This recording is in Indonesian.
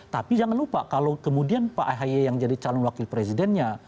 tapi jangan lupa kalau kemudian pak ahy yang jadi calon wakil presidennya